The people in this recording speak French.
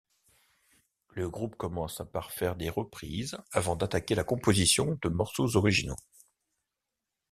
Le groupe commence par faire des reprises avant d'attaquer la composition de morceaux originaux.